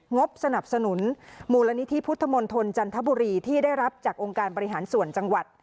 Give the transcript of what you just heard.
งบสนับสนุนมูลนิธิพุทธมนตรจันทบุรีที่ได้รับจากองค์การบริหารส่วนจังหวัด